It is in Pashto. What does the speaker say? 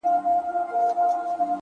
مینه چي مو وڅاڅي له ټولو اندامو ـ